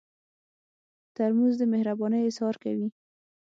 ترموز د مهربانۍ اظهار کوي.